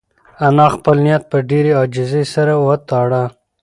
انا خپل نیت په ډېرې عاجزۍ سره وتاړه.